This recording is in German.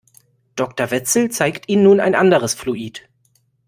Doktor Wetzel zeigt Ihnen nun ein anderes Fluid.